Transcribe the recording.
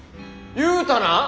言うたな！